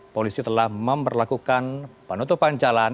polisi telah memperlakukan penutupan jalan